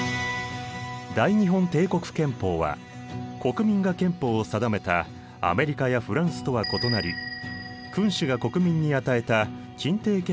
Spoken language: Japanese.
大日本帝国憲法は国民が憲法を定めたアメリカやフランスとは異なり君主が国民に与えた欽定憲法だった。